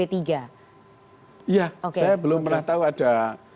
iya saya belum pernah tahu ada